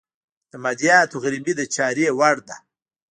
د مادیاتو غريبي د چارې وړ ده.